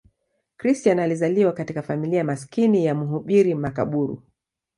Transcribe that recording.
Christian alizaliwa katika familia maskini ya mhubiri makaburu.